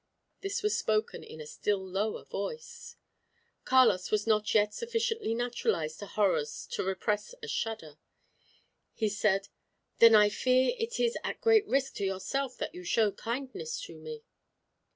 This was spoken in a still lower voice. Carlos was not yet sufficiently naturalized to horrors to repress a shudder. He said, "Then I fear it is at great risk to yourself that you show kindness to me."